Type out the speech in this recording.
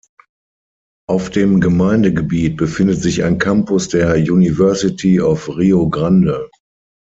Auf dem Gemeindegebiet befindet sich ein Campus der University of Rio Grande.